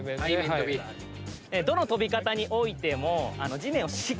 どの跳び方においても。